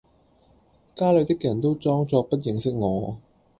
家裏的人都裝作不認識我；